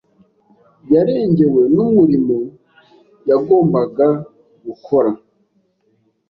yarengewe numurimo yagombaga gukora.